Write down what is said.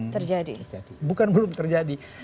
terjadi bukan belum terjadi